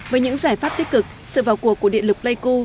với những giải pháp tích cực sự vào cuộc của điện lực pleiku